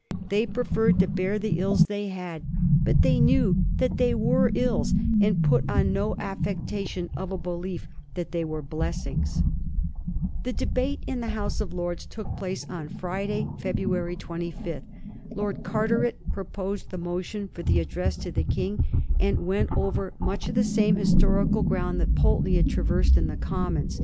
They preferred to bear the ills they had; but they knew that they were ills, and put on no affectation of a belief that they were blessings. The debate in the House of Lords took place on Fri d^iy, February 25th. Lord Carteret proposed the motion for the Address to the King, and went over much of the 90 ^ HISTORT OF THE FOUR GEORGESu ch. xxri. same historical ground that Pal ten ey had traversed in the Commons.